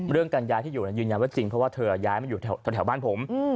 การย้ายที่อยู่ยืนยันว่าจริงเพราะว่าเธอย้ายมาอยู่แถวบ้านผม